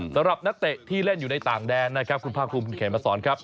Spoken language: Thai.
สำหรับนัฐิะที่เล่นอยู่ในต่างแดนคุณภากคุมมาสอนครับ